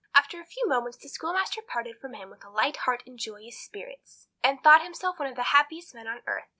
After a few moments the schoolmaster parted from him with a light heart and joyous spirits, and thought himself one of the happiest men on earth.